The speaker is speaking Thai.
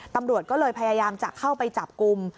ตำรวจก็เลยพยายามจะเข้าไปจับกลุ่ม